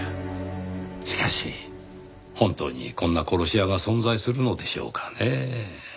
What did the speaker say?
しかし本当にこんな殺し屋が存在するのでしょうかねぇ？